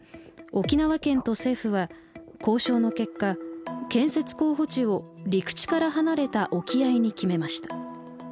沖縄県と政府は交渉の結果建設候補地を陸地から離れた沖合に決めました。